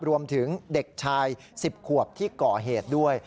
รวมถึงเด็กชาย๑๐ขวบที่ก่อเหตุด้วย